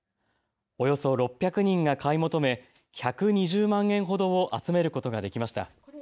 およそ６００人が買い求め１２０万円ほどを集めることができました。